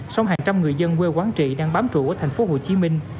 sông hàng trăm người dân quê quán trị đang bám trụ ở thành phố hồ chí minh